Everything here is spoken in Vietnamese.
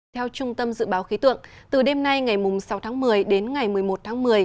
theo trung tâm dự báo khí tượng từ đêm nay ngày sáu tháng một mươi đến ngày một mươi một tháng một mươi